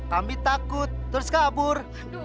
kami takut terus kabur